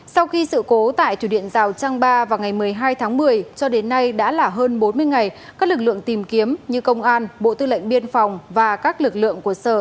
sau khi sự cố tại thủy điện rào trăng ba vào ngày một mươi hai tháng một mươi cho đến nay đã là hơn bốn mươi ngày các lực lượng tìm kiếm như công an bộ tư lệnh biên phòng và các lực lượng của sở